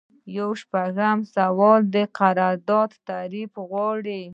یو شپیتم سوال د قرارداد تعریف غواړي.